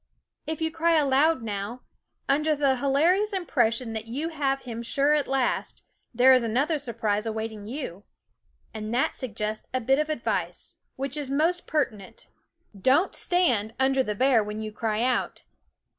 If you cry aloud now, under the hilarious impression that you have him sure at last, there is another surprise awaiting you. And that suggests a bit of advice, which is most pertinent : don't stand under the bear when you cry out.